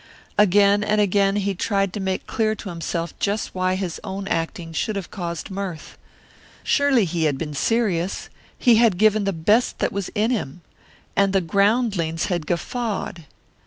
Again and again he tried to make clear to himself just why his own acting should have caused mirth. Surely he had been serious; he had given the best that was in him. And the groundlings had guffawed!